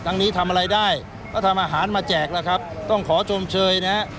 นี้ทำอะไรได้ก็ทำอาหารมาแจกแล้วครับต้องขอชมเชยนะฮะ